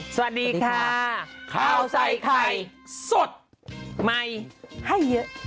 สวัสดีค่ะข้าวใส่ไข่สดใหม่ให้เยอะ